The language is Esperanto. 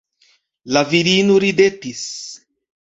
La virino ridetis.